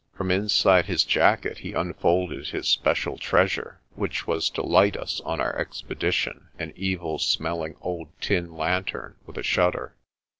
From inside his jacket he unfolded his special treasure, which was to light us on our expedition an evil smelling old tin lan tern with a shutter.